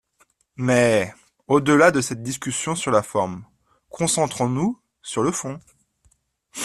Mais, au-delà de cette discussion sur la forme, concentrons-nous sur le fond.